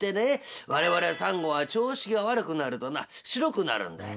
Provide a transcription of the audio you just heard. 我々サンゴは調子が悪くなるとな白くなるんだよ。